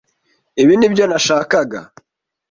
Ibi nibyo nashakaga.